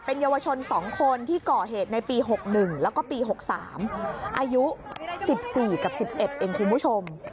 เยาวชน๒คนที่ก่อเหตุในปี๖๑แล้วก็ปี๖๓อายุ๑๔กับ๑๑เองคุณผู้ชม